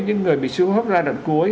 những người bị sưu hấp ra đoạn cuối